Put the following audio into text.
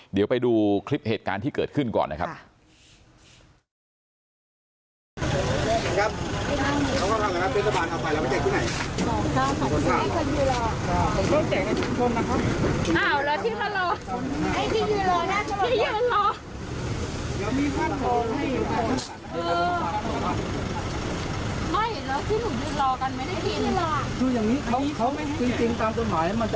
เดี๋ยวไปดูคลิปเหตุการณ์ที่เกิดขึ้นก่อนนะครับ